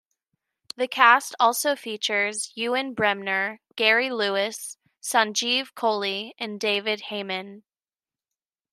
The cast also features Ewen Bremner, Gary Lewis, Sanjeev Kohli and David Hayman.